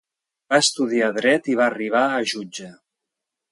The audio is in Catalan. Va estudiar dret i va arribar a jutge.